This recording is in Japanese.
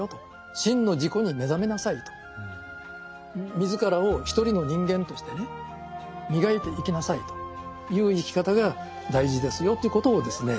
自らを一人の人間としてね磨いていきなさいという生き方が大事ですよということをですね